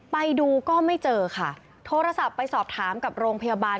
ไปดูก็ไม่เจอค่ะโทรศัพท์ไปสอบถามกับโรงพยาบาล